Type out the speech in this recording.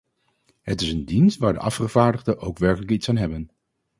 Het is een dienst waar de afgevaardigden ook werkelijk iets aan hebben!